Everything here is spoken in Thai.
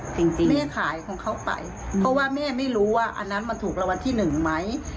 จริงแม่ขายของเขาไปเพราะว่าแม่ไม่รู้ว่าอันนั้นมันถูกรางวัลที่หนึ่งไหม